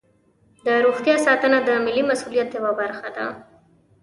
د روغتیا ساتنه د ملي مسؤلیت یوه برخه ده.